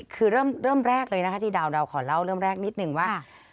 คือเริ่มแรกเลยนะคะที่ดาวขอเล่าเริ่มแรกนิดนึงว่า